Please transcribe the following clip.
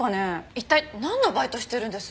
一体なんのバイトしてるんです？